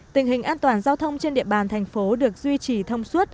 tình hình an toàn giao thông trên địa bàn thành phố được duy trì thông suốt